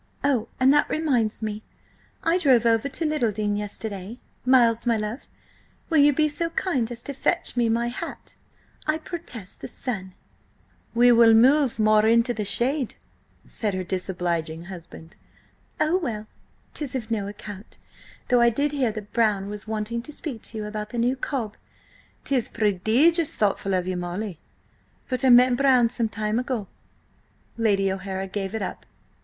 Oh, and that reminds me! I drove over to Littledean yesterday–Miles, my love, will you be so kind as to fetch me my hat? I protest, the sun—" "We will move more into the shade," said her disobliging husband. "Oh, well! 'tis of no account, though I did hear that Brown was wanting to speak to you about the new cob—" "'Tis prodigious thoughtful of you, Molly, but I met Brown some time ago." Lady O'Hara gave it up.